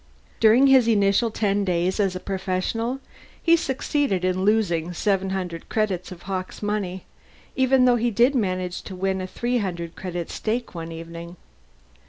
During his initial ten days as a professional, he succeeded in losing seven hundred credits of Hawkes' money, even though he did manage to win a three hundred credit stake one evening.